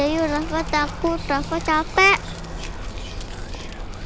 yuk kita kejar